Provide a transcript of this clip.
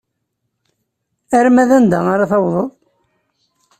Arma d anda ara tawḍeḍ?